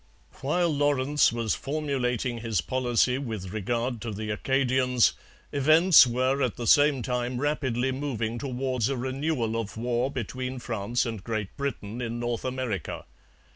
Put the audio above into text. While Lawrence was formulating his policy with regard to the Acadians, events were at the same time rapidly moving towards a renewal of war between France and Great Britain in North America.